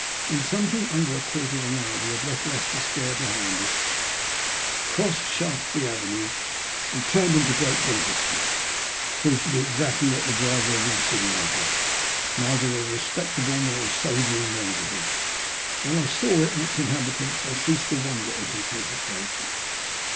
In something under a quarter of an hour we had left Leicester Square behind us, crossed Shaftesbury Avenue, and turned into Great Gunter Street. It proved to be exactly what the driver had insinuated, neither a respectable nor a savoury neighbourhood ; and when I saw it and its inhabitants I ceased to wonder at his hesitation.